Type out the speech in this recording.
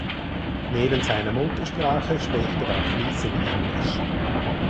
Neben seiner Muttersprache spricht er auch fließend Englisch.